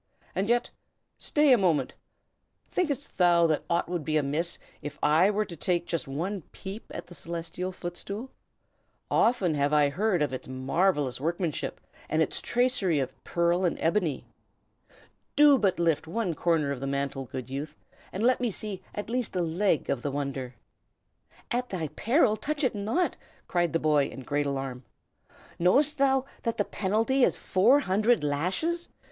"And yet stay a moment! thinkest thou that aught would be amiss if I were to take just one peep at the Celestial Footstool? Often have I heard of its marvellous workmanship, and its tracery of pearl and ebony. Do but lift one corner of the mantle, good youth, and let me see at least a leg of the wonder." "At thy peril, touch it not!" cried the boy, in great alarm. "Knowest thou not that the penalty is four hundred lashes?